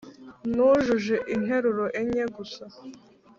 Nujuje interuro enye gusa